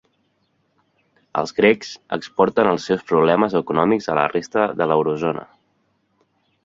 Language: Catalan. Els grecs exporten els seus problemes econòmics a la resta de l'Eurozona